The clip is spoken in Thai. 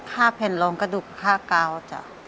ค่าแผ่นรองกระดูกค่ากาวจ้ะ